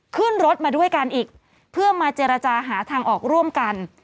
ขึ้นรถมาด้วยกันอีกเพื่อมาเจรจาหาทางออกร่วมกัน